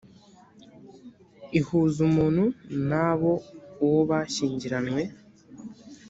ihuza umuntu n abo uwo bashyingiranywe